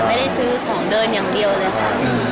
ไม่ได้ซื้อของเดินอย่างเดียวเลยค่ะ